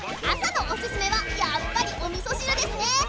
あさのおすすめはやっぱりおみそしるですね。